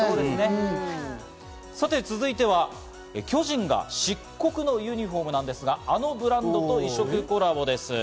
続いては巨人が漆黒のユニフォームなんですが、あのブランドと異色コラボです。